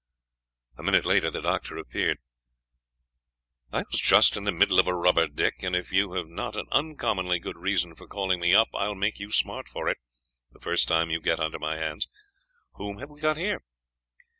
A minute later the doctor appeared. "I was just in the middle of a rubber, Dick, and if you have not an uncommonly good reason for calling me up I will make you smart for it, the first time you get under my hands. Whom have we got here?"